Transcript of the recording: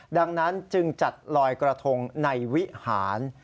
ดังนั้นจึงจัดลอยกระทงในวิหาร